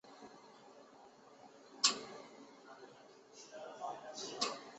王居安墓在大溪西贡。